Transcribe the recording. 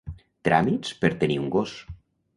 Tràmits per tenir un gos.